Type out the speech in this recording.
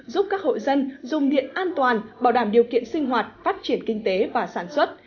giúp các hội dân dùng điện an toàn bảo đảm điều kiện sinh hoạt phát triển kinh tế và sản xuất